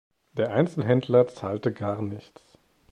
Der Einzelhändler zahlte gar nichts.